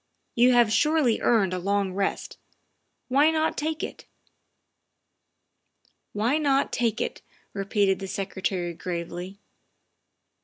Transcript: You have surely earned a long rest. Why not take it "'' Why not take it ?" repeated the Secretary gravely.